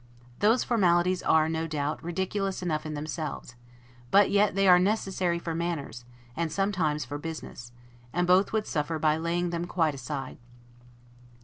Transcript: Those formalities are, no doubt, ridiculous enough in themselves; but yet they are necessary for manners, and sometimes for business; and both would suffer by laying them quite aside.